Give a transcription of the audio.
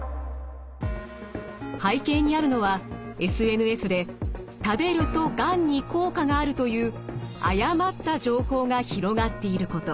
背景にあるのはＳＮＳで「食べるとがんに効果がある」という誤った情報が広がっていること。